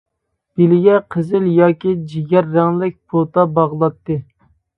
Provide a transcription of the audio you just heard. بېلىگە قىزىل ياكى جىگەر رەڭلىك پوتا باغلايتتى.